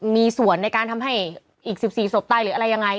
มีสวนในการทำให้อีก๑๔สมบไตยหรืออะไรอย่างไร